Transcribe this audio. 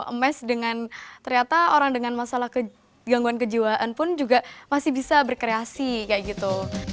emas dengan ternyata orang dengan masalah gangguan kejiwaan pun juga masih bisa berkreasi kayak gitu